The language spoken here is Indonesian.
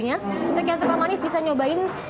jadi tidak terlalu manis dan ada rasa gurih dari keju